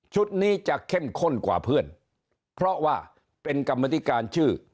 นี้จะเข้มข้นกว่าเพื่อนเพราะว่าเป็นกรรมธิการชื่อ